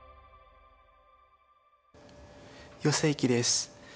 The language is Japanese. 余正麒です。